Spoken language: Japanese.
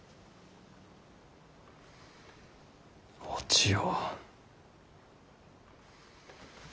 お千代。